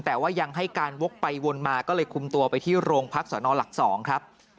แต่ว่ายังให้การวกไปวนมาก็เลยคุมตัวไปที่โรงพักสนหลัก๒ครับ